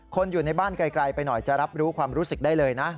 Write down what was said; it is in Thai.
คนอยู่ในบ้านไกลไปหน่อยจะรับรู้ความรู้สึกได้เลยนะ